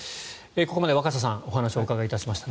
ここまで若狭さんにお話をお伺いしました。